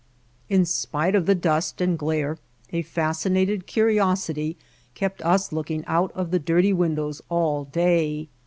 In spite of the dust and glare a fascinated curi osity kept us looking out of the dirty windows all day.